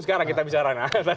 sekarang kita bicara